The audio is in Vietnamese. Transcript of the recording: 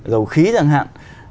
dầu khí chẳng hạn